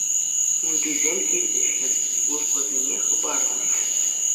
Унтисем тивӗҫлӗ службӑсене хыпарлӗҫ.